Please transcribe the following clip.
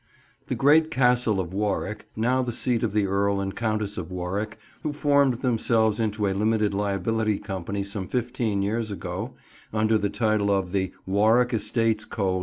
THE great Castle of Warwick, now the seat of the Earl and Countess of Warwick, who formed themselves into a Limited Liability Company some fifteen years ago, under the title of the "Warwick Estates Co.